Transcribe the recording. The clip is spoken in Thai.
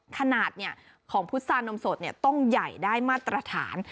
ขนาดของพุษานมสดต้องใหญ่ได้มาตรฐาน